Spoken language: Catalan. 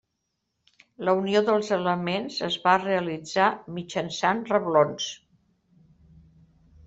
La unió dels elements es va realitzar mitjançant reblons.